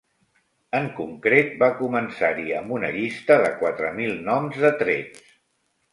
En concret, va començar-hi amb una llista de quatre mil noms de trets.